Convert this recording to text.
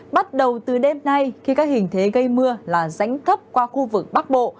bắt đầu từ đêm nay khi các hình thế gây mưa là rãnh thấp qua khu vực bắc bộ